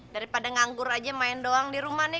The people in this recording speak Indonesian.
daripada nganggur aja main doang di rumah nih